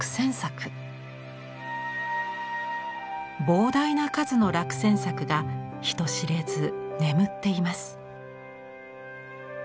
膨大な数の落選作が人知れず眠っています。